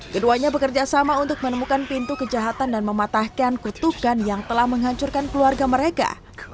keduanya bekerja sama untuk menemukan pintu kejahatan dan mematahkan kutukan yang telah menghancurkan keluarga mereka